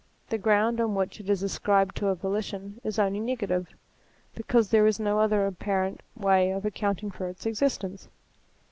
The ground on which it is ascribed to a volition is only negative, because there is no other apparent way of accounting for its existence.